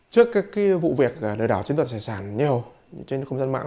trước các vụ việc lừa đảo chiếm đoạt tài sản nhiều trên không gian mạng